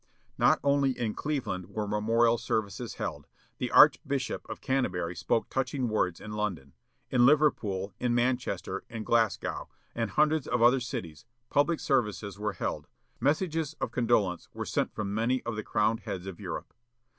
Not only in Cleveland were memorial services held. The Archbishop of Canterbury spoke touching words in London. In Liverpool, in Manchester, in Glasgow, and hundreds of other cities, public services were held. Messages of condolence were sent from many of the crowned heads of Europe.